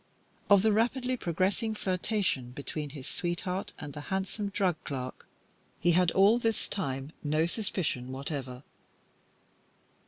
Of the rapidly progressing flirtation between his sweetheart and the handsome drug clerk he had all this time no suspicion whatever.